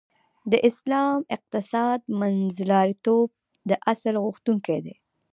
د اسلام اقتصاد د منځلاریتوب د اصل غوښتونکی دی .